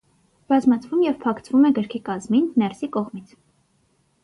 Բազմացվում և փակցվում է գրքի կազմին, ներսի կողմից։